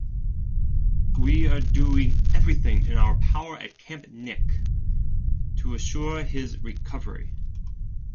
We are doing everything in our power at Camp Nick to assure his recovery.